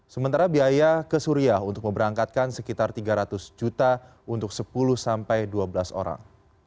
sementara biaya ke suriah untuk memberangkatkan sekitar tiga ratus juta untuk sepuluh sampai dua belas orang